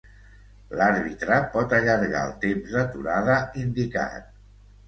L'àrbitre pot allargar el temps d'aturada indicat.